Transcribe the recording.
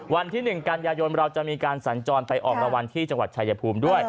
วันที่๑กันยายนเราจะมีการสัญจรไปออกรางวัลที่จังหวัดชายภูมิด้วย